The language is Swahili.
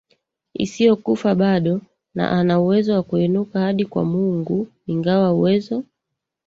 isiyokufa bado ana uwezo wa kuinuka hadi kwa Mungu ingawa uwezo